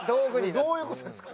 どういう事ですか？